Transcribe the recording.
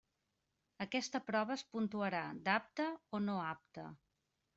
Aquesta prova es puntuarà d'apte o no apte.